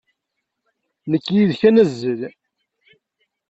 Nekk d yid-k ad nazzel.